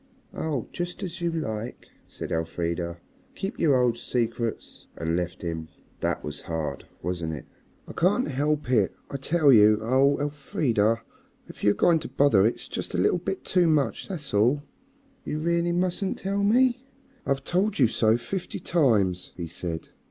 "Oh, just as you like," said Elfrida; "keep your old secrets," and left him. That was hard, wasn't it? "I can't help it, I tell you. Oh! Elfrida, if you're going to bother it's just a little bit too much, that's all." "You really mustn't tell me?" "I've told you so fifty times," he said.